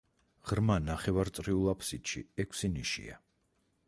ღრმა ნახევარწრიულ აფსიდში ექვსი ნიშია.